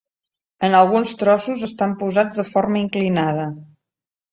En alguns trossos estan posats de forma inclinada.